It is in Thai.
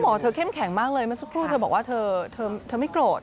เธอเข้มแข็งมากเลยเมื่อสักครู่เธอบอกว่าเธอไม่โกรธ